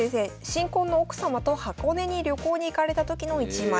新婚の奥様と箱根に旅行に行かれた時の１枚。